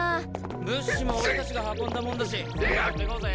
物資も俺たちが運んだもんだし全部持っていこうぜ。